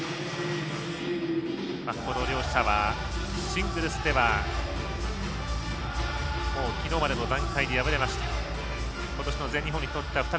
この両者はシングルスではきのうまでの段階で敗れました。